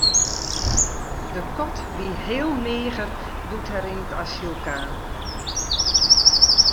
De kat wie heel meager doe't er yn it asyl kaam.